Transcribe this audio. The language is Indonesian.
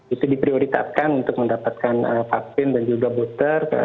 itu diprioritaskan untuk mendapatkan vaksin dan juga booster